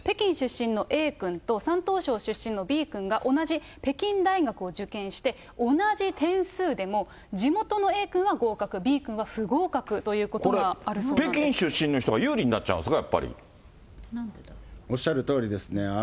北京出身のＡ君と山東省出身のＢ君が同じ北京大学を受験して、同じ点数でも、地元のＡ君は合格、Ｂ君は不合格ということがあるそこれ北京出身の人が有利になおっしゃるとおりですね。